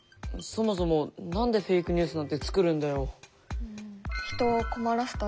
そもそも何でフェイクニュースなんてつくるんだよ。